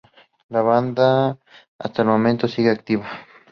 La banda hasta el momento sigue activa.